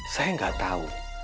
saya gak tau